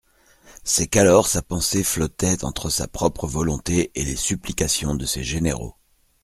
C'est qu'alors sa pensée flottait entre sa propre volonté et les supplications de ses généraux.